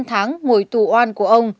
năm tháng ngồi tù oan của ông